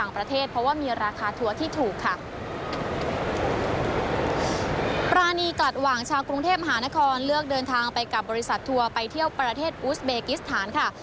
ปรานีกลัดหว่างชาวกรุงเทพมหานครเลือกเดินทางไปกับบริษัททัวร์ไปเที่ยวประเทศอุสเบกิสถานค่ะ